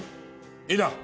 いいな。